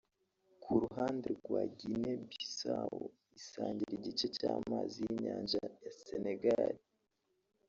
Ku ruhande rwa Guinée-Bissau isangira igice cy’amazi y’inyanja na Sénégal